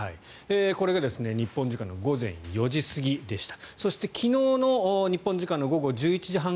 これが日本時間の午前４時過ぎでした。